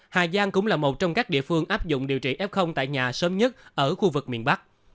hà giang cũng là một trong các địa phương áp dụng điều trị f tại nhà sớm nhất ở khu vực miền bắc